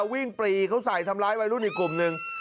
ปรีเขาใส่ทำร้ายวัยรุ่นอีกกลุ่มหนึ่ง